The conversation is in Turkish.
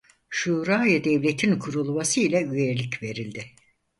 Şurayı Devlet'in kurulmasıyla üyelik verildi.